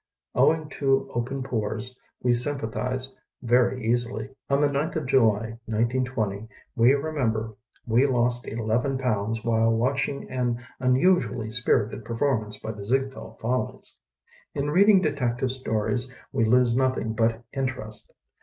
Owing to open pores we sympathize very easily. On the ninth of July, 1920, we remem ber, we lost eleven pounds while watch ing an unusually spirited performance of the Ziegfeld Follies. In reading detective stories we lose nothing but interest.